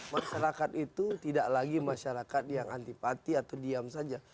masyarakat itu tidak lagi masyarakat yang antipati atau diam saja